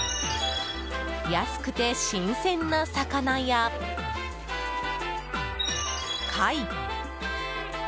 安くて新鮮な魚や貝。